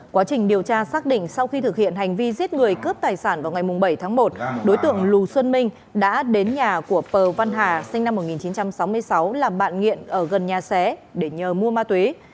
quá trình điều tra xác định sau khi thực hiện hành vi giết người cướp tài sản vào ngày bảy tháng một đối tượng lù xuân minh đã đến nhà của pờ văn hà sinh năm một nghìn chín trăm sáu mươi sáu làm bạn nghiện ở gần nhà xé để nhờ mua ma túy